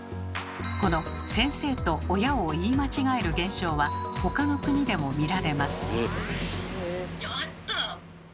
この先生と親を言い間違える現象はほかの国でも見られます。